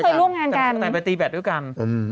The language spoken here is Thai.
กำสไปตีแบตด้วยกัน